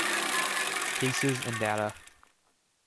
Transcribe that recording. Cases & Data